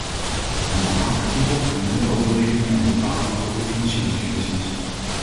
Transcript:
Een apart artikel en meer overwegingen en bepalingen over financieringskwesties.